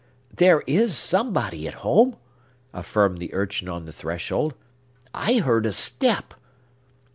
"There is somebody at home," affirmed the urchin on the threshold. "I heard a step!"